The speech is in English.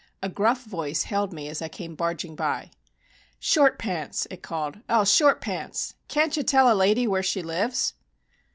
A gruff voice hailed me as I came barging by. "Short Pants!" it called; "oh, Short Pants can't you tell a lady where she lives?"